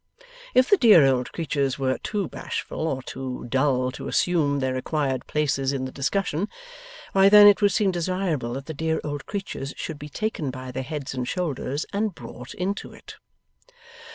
If the dear old creatures were too bashful or too dull to assume their required places in the discussion, why then it would seem desirable that the dear old creatures should be taken by their heads and shoulders and brought into it.